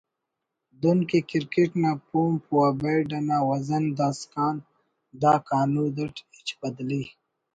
دن کہ کرکٹ نا پومپ و بیڈ انا وزن داسکان دا کانود اٹ ہچ بدلی